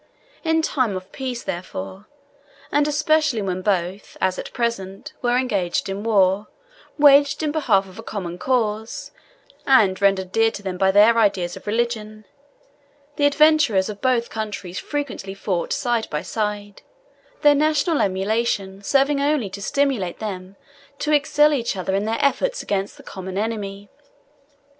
In time of peace, therefore, and especially when both, as at present, were engaged in war, waged in behalf of a common cause, and rendered dear to them by their ideas of religion, the adventurers of both countries frequently fought side by side, their national emulation serving only to stimulate them to excel each other in their efforts against the common enemy.